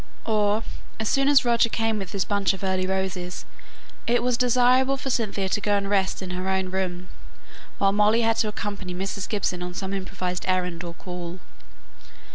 Or, as soon as Roger came with his bunch of early roses, it was desirable for Cynthia to go and rest in her own room, while Molly had to accompany Mrs. Gibson on some improvised errand or call.